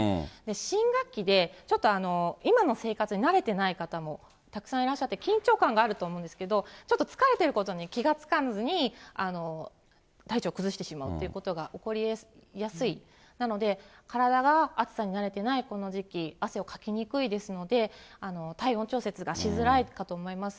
新学期でちょっと今の生活に慣れてない方もたくさんいらっしゃって、緊張感があると思うんですけど、ちょっと疲れていることに気が付かずに、体調崩してしまうってことが起こりやすい、なので、体が暑さに慣れてないこの時期、汗をかきにくいですので、体温調節がしづらいかと思います。